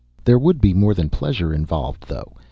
"There would be more than pleasure involved, though.